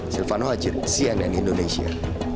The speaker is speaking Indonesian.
silvano hajid cnn indonesia